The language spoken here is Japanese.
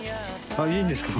いいんですか？